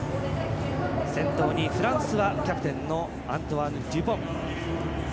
先頭にフランスはキャプテンのアントワーヌ・デュポン。